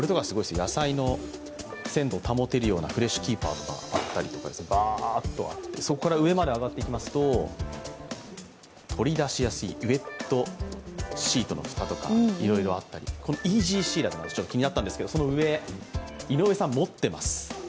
野菜の鮮度を保てるようなフレッシュキーパーとかあったりばーっとあって、そこから上に上がっていきますと取り出しやすいウエットシートのフタとかいろいろあったりイージーシーラー、ちょっと気になったんですけど、その上、井上さん、持ってます。